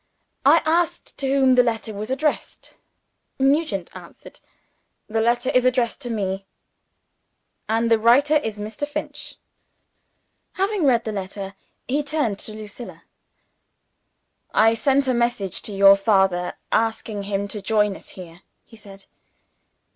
I asked to whom the letter was addressed? Nugent answered, "The letter is addressed to me; and the writer is Mr. Finch." Having read the letter, he turned to Lucilla. "I sent a message to your father, asking him to join us here," he said.